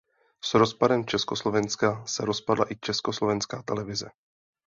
S rozpadem Československa se rozpadla i Československá televize.